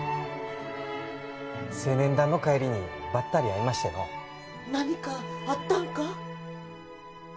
青年団の帰りにばったり会いましての何かあったんか？